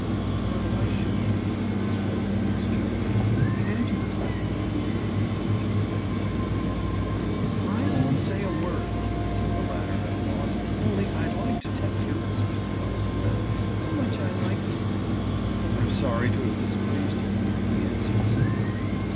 "But why should he?" spoke up Miss Gerald. "Can't you enlighten me, dear?" To the temperamental young thing. "I won't say a word," said the latter at a loss. "Only I'd like to tell you"—to the monocle man—"how much I like you." "I'm sorry to have displeased you," he answered simply.